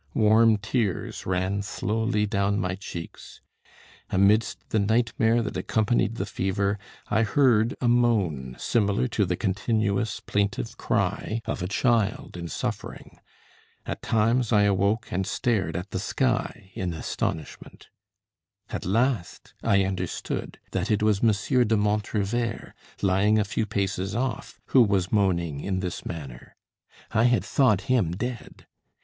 Warm tears ran slowly down my cheeks. Amidst the nightmare that accompanied the fever, I heard a moan similar to the continuous plaintive cry of a child in suffering. At times, I awoke and stared at the sky in astonishment. At last I understood that it was M. de Montrevert, lying a few paces off, who was moaning in this manner. I had thought him dead.